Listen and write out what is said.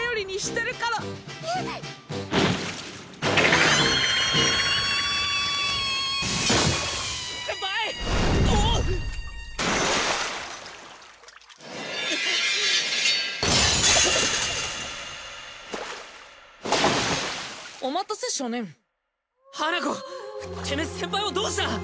テメエ先輩をどうした！？